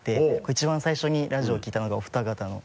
一番最初にラジオを聞いたのがお二方の。